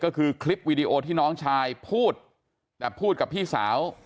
ก็คือคลิปวีดีโอที่น้องชายพูดแต่พูดกับพี่สาว